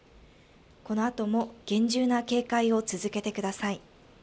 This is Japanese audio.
このあとも厳重な警戒を続けてください。